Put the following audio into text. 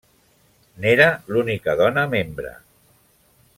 N'era l'única dona membre.